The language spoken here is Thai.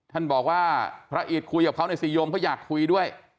ท่านบอกว่าพระอีทคุยกับเขาหน่อยสิโยมเขาอยากคุยด้วย